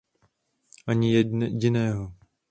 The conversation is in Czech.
Ani jediného.